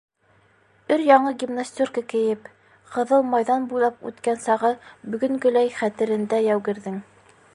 Өр-яңы гимнастерка кейеп, Ҡыҙыл майҙан буйлап үткән сағы бөгөнгөләй хәтерендә яугирҙең.